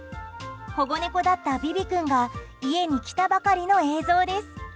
保護猫だったビビ君が家に来たばかりの映像です。